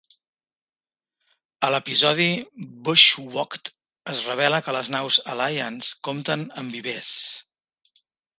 A l'episodi "Bushwhacked" es revela que les naus Alliance compten amb vivers.